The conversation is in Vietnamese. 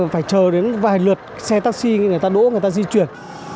phải chờ đến vài lượt xe taxi người ta đỗ người ta di chuyển